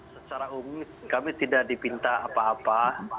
secara umum kami tidak dipinta apa apa